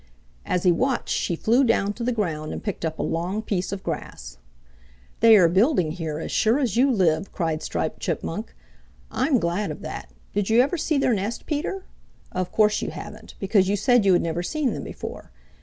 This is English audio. As he watched she flew down to the ground and picked up a long piece of grass. "They are building here, as sure as you live!" cried Striped Chipmunk. "I'm glad of that. Did you ever see their nest, Peter? Of course you haven't, because you said you had never seen them before.